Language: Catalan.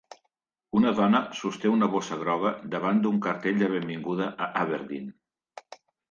Una dona sosté una bossa groga davant d'un cartell de benvinguda a Aberdeen.